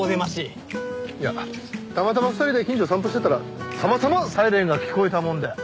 いやたまたま２人で近所を散歩してたらたまたまサイレンが聞こえたもので。